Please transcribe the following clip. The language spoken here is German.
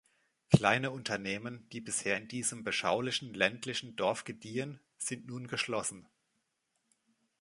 Kleine Unternehmen, die bisher in diesem beschaulichen ländlichen Dorf gediehen, sind nun geschlossen.